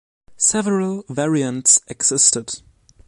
Several variants existed.